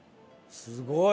すごい。